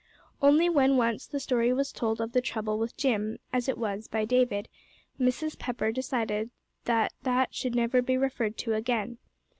Only when once the story was told of the trouble with Jim, as it was by David, Mrs. Pepper decided that that should never be referred to again.